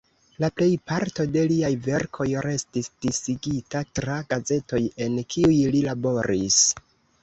La plej parto de liaj verkoj restis disigita tra gazetoj en kiuj li laboris.